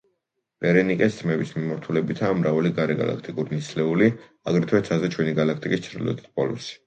ბერენიკეს თმების მიმართულებითაა მრავალი გარეგალაქტიკური ნისლეული, აგრეთვე ცაზე ჩვენი გალაქტიკის ჩრდილოეთით პოლუსი.